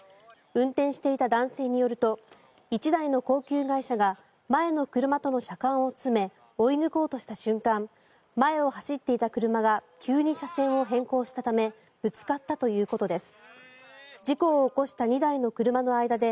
運転していた男性によると１台の高級外車が前の車との車間を詰め追い抜こうとした瞬間前を走っていた車が急に車線を変更したためぶつかったということです。